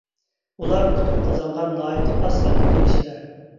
ئۇلار ئۇتۇق قازانغان ناھايىتى ئاز ساندىكى كىشىلەر.